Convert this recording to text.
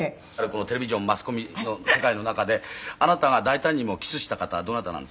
「このテレビジョンマスコミの世界の中であなたが大胆にもキスした方はどなたなんですか？」